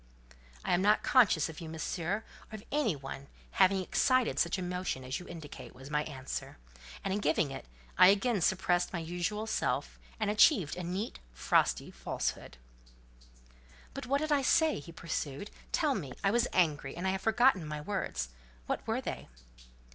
"I am not conscious of you, monsieur, or of any other having excited such emotion as you indicate," was my answer; and in giving it, I again surpassed my usual self, and achieved a neat, frosty falsehood. "But what did I say?" he pursued; "tell me: I was angry: I have forgotten my words; what were they?"